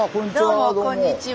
どうもこんにちは。